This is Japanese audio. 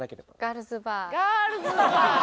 ガールズバー！